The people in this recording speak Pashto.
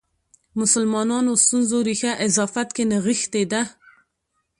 مسلمانانو ستونزو ریښه اضافات کې نغښې ده.